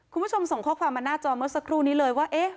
คุณผู้ชมส่งข้อความมาหน้าจอเมื่อสักครู่นี้เลยว่า